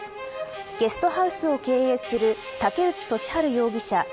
ゲストハウスを経営する武内俊晴容疑者